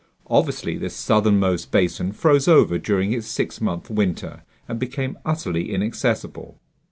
Obviously this southernmost basin froze over during its six month winter and became utterly inaccessible.